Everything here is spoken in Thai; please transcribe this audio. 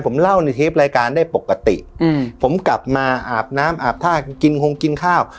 ผมเล่าในเทปรายการได้ปกติอืมผมกลับมาอาบน้ำอาบท่ากินโฮงกินข้าว